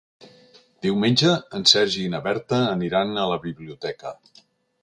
Diumenge en Sergi i na Berta aniran a la biblioteca.